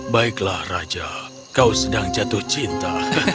baiklah raja kau sedang jatuh cinta